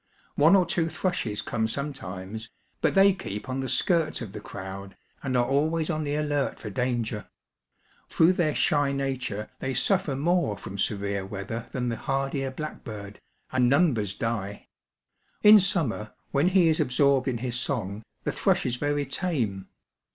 One or two thrashes come sometimes, but they keep on the skirts of the crowd, and are always on the alert for danger. Through their shy nature they suffer more from severe weather than the hardier blackbird, and numbers die. In summer, when he is absorbed in his song, the thrush is very tame.